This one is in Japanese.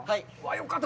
よかった。